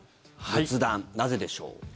仏壇、なぜでしょう。